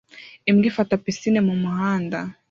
Imbwa ifata pisine mumuhanda